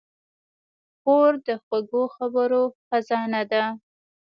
خور د خوږو خبرو خزانه ده.